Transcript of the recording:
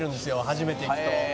初めて行くと。